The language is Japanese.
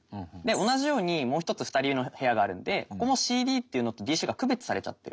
同じようにもう一つ２人の部屋があるんでここもＣＤっていうのとＤＣが区別されちゃってる。